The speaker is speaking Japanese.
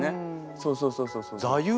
そうそうそうそうそう。